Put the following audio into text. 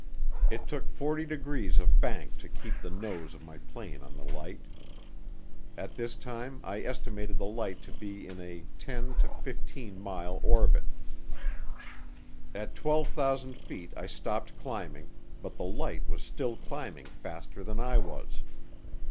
It took 40 degrees of bank to keep the nose of my plane on the light. At this time I estimated the light to be in a 10 to 15 mile orbit. At 12,000 feet I stopped climbing, but the light was still climbing faster than I was.